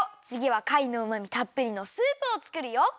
つぎはかいのうまみたっぷりのスープをつくるよ！